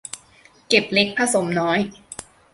เก็บเล็กผสมน้อย